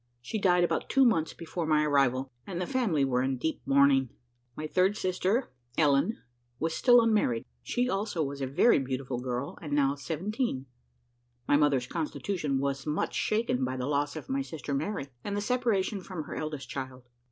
She died about two months before my arrival, and the family were in deep mourning. My third sister, Ellen, was still unmarried; she, also, was a very beautiful girl, and now seventeen. My mother's constitution was much shaken by the loss of my sister Mary, and the separation from her eldest child.